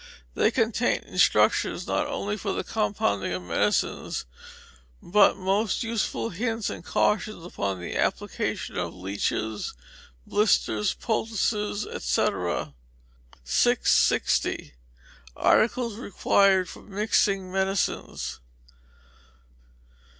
They contain instructions not only for the compounding of medicines, but most useful hints and cautions upon the application of leeches, blisters, poultices, &c._ 660. Articles Required for Mixing Medicines.